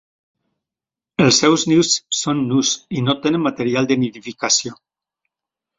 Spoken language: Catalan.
Els seus nius són nus i no tenen material de nidificació.